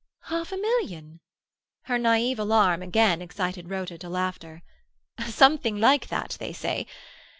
"Half a million!" Her naive alarm again excited Rhoda to laughter. "Something like that, they say.